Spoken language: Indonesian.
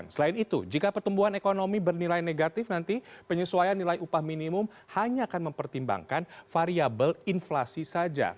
selain itu jika pertumbuhan ekonomi bernilai negatif nanti penyesuaian nilai upah minimum hanya akan mempertimbangkan variable inflasi saja